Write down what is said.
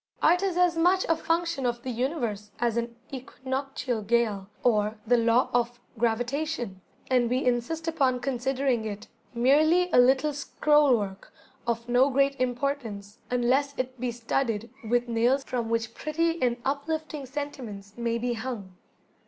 Art is as much a function of the Universe as an Equinoctial gale, or the Law of Gravitation; and we insist upon considering it merely a little scroll work, of no great importance unless it be studded with nails from which pretty and uplifting sentiments may be hung!